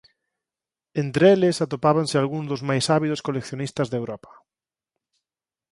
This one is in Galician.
Entre eles atopábanse «algúns dos máis ávidos coleccionistas de Europa».